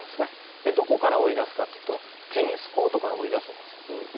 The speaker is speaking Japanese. どこから追い出すかっていうとテニスコートから追い出すんですよ。